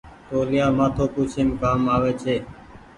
توليآ مآٿو پوڇيم ڪآم آوي ڇي ۔